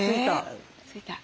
ついた！